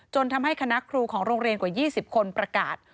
ทำให้คณะครูของโรงเรียนกว่า๒๐คนประกาศ